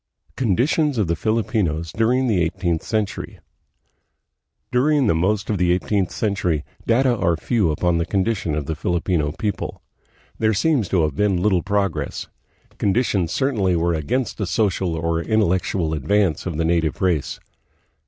Conditions of the Filipinos during the Eighteenth Cen tury. During the most of the eighteenth century, data are few upon the condition of the Filipino people. There seems to have been little progress. Conditions certainly were against the social or intellectual advance of the native race.